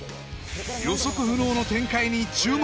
予測不能の展開に注目！